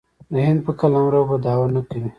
د هند په قلمرو به دعوه نه کوي.